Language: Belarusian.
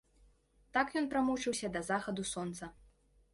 Так ён прамучыўся да захаду сонца.